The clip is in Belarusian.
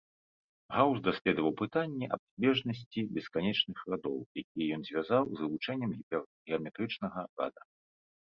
Гаус даследаваў пытанне аб збежнасці бесканечных радоў, якія ён звязаў з вывучэннем гіпергеаметрычнага рада.